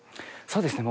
そうですね。